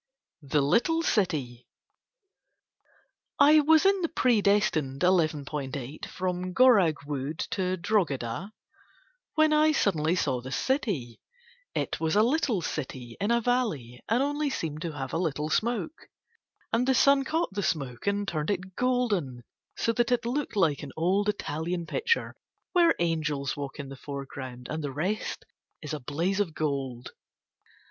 THE LITTLE CITY I was in the pre destined 11.8 from Goraghwood to Drogheda, when I suddenly saw the city. It was a little city in a valley, and only seemed to have a little smoke, and the sun caught the smoke and turned it golden, so that it looked like an old Italian picture where angels walk in the foreground and the rest is a blaze of gold.